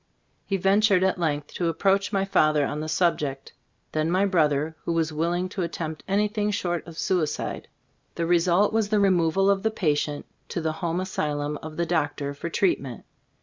He ventured at length to approach my father on the subject; then my brother, who was willing to attempt anything short of suicide. The result was the removal of the patient to the home asylum of the doctor for treat ment.